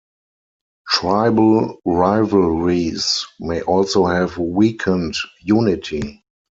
Tribal rivalries may also have weakened unity.